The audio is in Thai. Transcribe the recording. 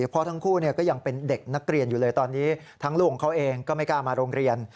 เพราะทั้งคู่ก็ยังเป็นเด็กนักเรียนอยู่เลยตอนนี้ทั้งลูกของเขาเองก็ไม่กล้ามาโรงเรียน